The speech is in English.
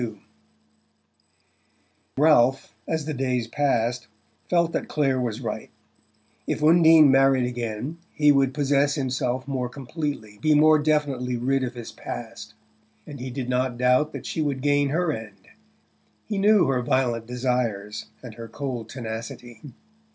XXXII Ralph, as the days passed, felt that Clare was right: if Undine married again he would possess himself more completely, be more definitely rid of his past. And he did not doubt that she would gain her end: he knew her violent desires and her cold tenacity.